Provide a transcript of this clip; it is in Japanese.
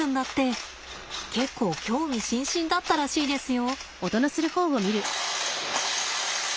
結構興味津々だったらしいですよ。